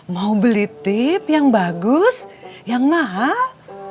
mau beli tip yang bagus yang mahal